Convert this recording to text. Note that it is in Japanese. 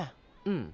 うん。